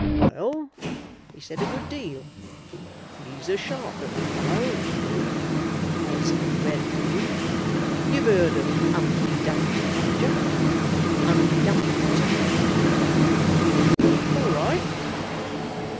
"Well, he said a good deal. He's a sharp little fellow, is Billy, as has read a deal. You've heard of 'Umpty Dumpty, Gager? 'Umpty Dumpty was a hegg." "All right."